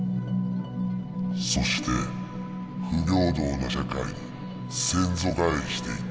そして不平等な社会に先祖返りしていった。